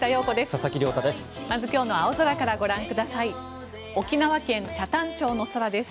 佐々木亮太です。